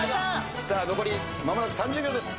残り間もなく３０秒です。